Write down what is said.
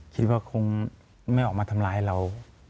คิดว่าคงไม่ออกมาทำร้ายเรา